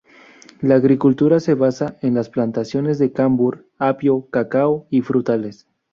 La agricultura se basa en las plantaciones de cambur, apio, cacao y frutales.